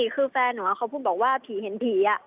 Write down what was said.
คือแฟนหนูเขาพูดบอกว่าผีเห็นผี